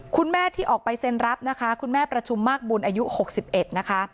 คุณแม่ที่ออกไปเซ็นรับนะคะคุณแม่ประชุมมากบุญอายุ๖๑นะคะ